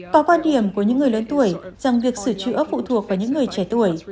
có quan điểm của những người lớn tuổi rằng việc sửa chữa phụ thuộc vào những người trẻ tuổi